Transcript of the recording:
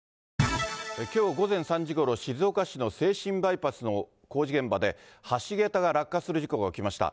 きょう午前３時ごろ、静岡市の静清バイパスの工事現場で、橋桁が落下する事故が起きました。